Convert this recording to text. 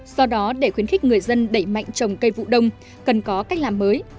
do đó để khuyến khích người dân đẩy mạnh trồng cây vụ đông cần có cách làm mới